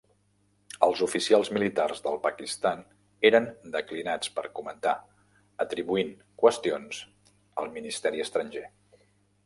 Els oficials militars del Pakistan eren declinats per comentar, atribuint qüestions al ministeri estranger.